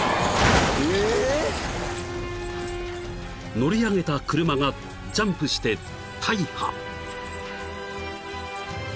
［乗り上げた車がジャンプして大破］